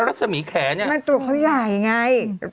รัศมีแข่เนี่ย